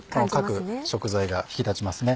各食材が引き立ちますね。